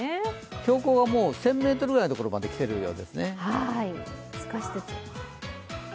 標高が１０００ｍのところまで来ているようですね。